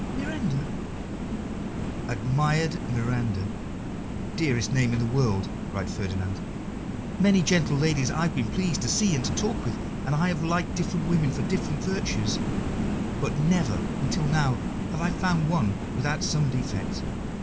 "Miranda." "Admired Miranda! Dearest name in the world!" cried Ferdinand. "Many gentle ladies I have been pleased to see and to talk with, and I have liked different women for different virtues; but never until now have I found one without some defect.